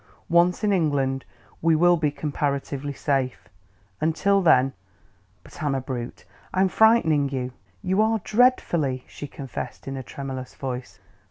Once in England we will be comparatively safe. Until then ... But I'm a brute I'm frightening you!" "You are, dreadfully," she confessed in a tremulous voice.